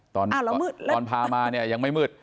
ตอนพามายังไม่มืด